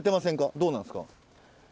どうなんですか？